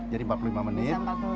jadi empat puluh lima menit